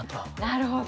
なるほど。